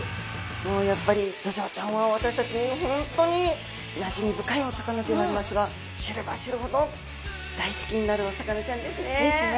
もうやっぱりドジョウちゃんは私たちに本当になじみ深いお魚ではありますが知れば知るほど大好きになるお魚ちゃんですね。ですね。